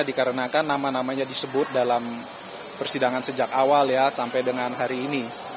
dikarenakan nama namanya disebut dalam persidangan sejak awal ya sampai dengan hari ini